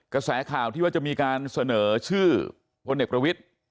กระแสข่าวว่าจะมีการเสนอชื่อพเนศประวิทย์